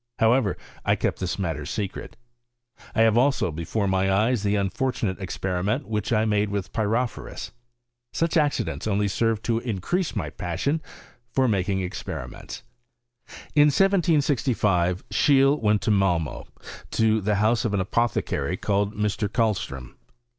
However, I kept this matter secret. I have also before my eyes the unfortunate experi ment which I made with pyrophorua. Such acci dents only served to increase my passion for making experiments." In 1765 Scheelewent to Malmo, to the house of an apothecary, called Mr. Kalstrom.